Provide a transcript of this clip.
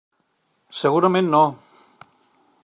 Segurament no.